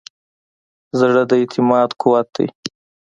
زړه د اعتماد قوت دی.